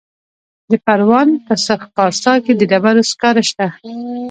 د پروان په سرخ پارسا کې د ډبرو سکاره شته.